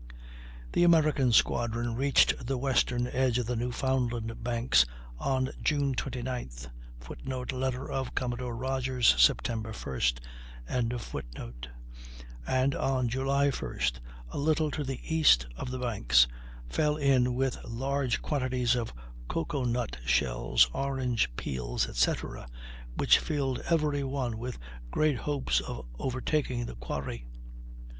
The American squadron reached the western edge of the Newfoundland Banks on June 29th, [Footnote: Letter of Commodore Rodgers, Sept. 1st.] and on July 1st, a little to the east of the Banks, fell in with large quantities of cocoa nut shells, orange peels, etc., which filled every one with great hopes of overtaking the quarry.